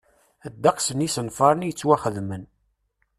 Ddeqs n yisenfaṛen i yettwaxdamen.